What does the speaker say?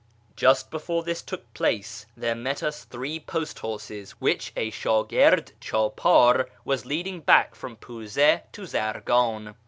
Just before this took place, there met us three post horses which a shdf/ird chdjxlr was leading back from Pi'izu to Zargiin.